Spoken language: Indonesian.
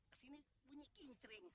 kesini bunyi kincring